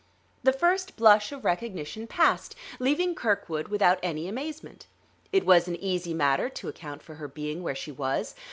The first blush of recognition passed, leaving Kirkwood without any amazement. It was an easy matter to account for her being where she was.